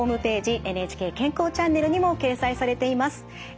ＮＨＫ健康チャンネルにも掲載されています。